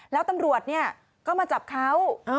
แล้วตำรวจก็มาจับเขา